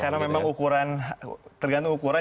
karena memang ukuran tergantung ukuran